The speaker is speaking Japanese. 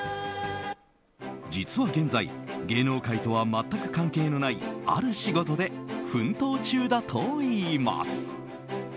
実は現在芸能界とは全く関係のないある仕事で奮闘中だといいます。